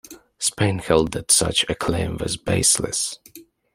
Spain held that such a claim was baseless.